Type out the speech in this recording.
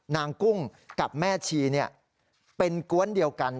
นางกุ้งกับแม่ชีเนี่ยเป็นกว้นเดียวกัน